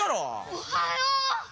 おはよう。